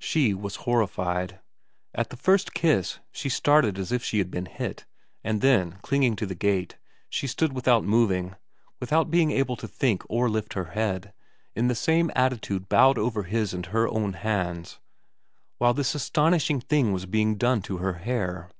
She was horrified. At the first kiss she started as if she had been hit, and then, clinging to the gate, she stood without moving, without being able to think or lift her head, in the same attitude bowed over his and her own hands, while this astonishing thing was being done to her hair.